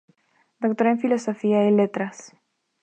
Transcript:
Doctor en Filosofía y Letras.